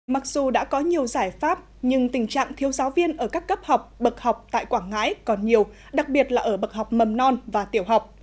mặc dù đã có nhiều giải pháp nhưng tình trạng thiếu giáo viên ở các cấp học bậc học tại quảng ngãi còn nhiều đặc biệt là ở bậc học mầm non và tiểu học